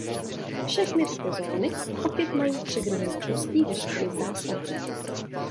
Všechny tyto zóny opět mají tři druhy možností hustoty zástavby.